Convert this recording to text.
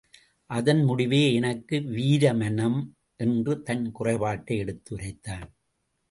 அதன் முடிவே எனக்கு வீரமணம் என்று தன் குறைபாட்டை எடுத்து உரைத்தான்.